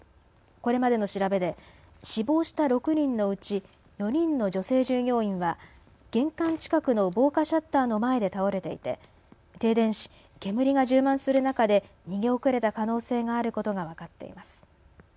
これまでの調べで死亡した６人のうち４人の女性従業員は玄関近くの防火シャッターの前で倒れていて停電し煙が充満する中で逃げ遅れた可能性があることが分かっています。